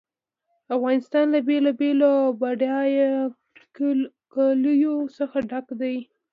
افغانستان له بېلابېلو او بډایه کلیو څخه ډک دی.